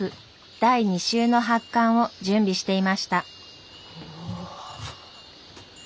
第２集の発刊を準備していました。